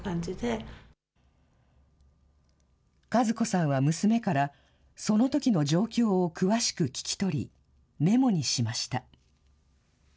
和子さんは娘からそのときの状況を詳しく聞き取り、メモにしました。